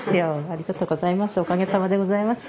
ありがとうございます。